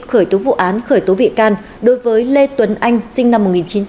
khởi tố vụ án khởi tố bị can đối với lê tuấn anh sinh năm một nghìn chín trăm tám mươi